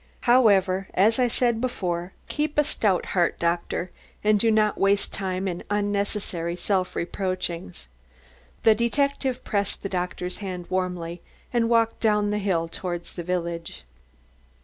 However, as I said before, keep a stout heart, doctor, and do not waste time in unnecessary self reproachings." The detective pressed the doctor's hand warmly and walked down the hill towards the village.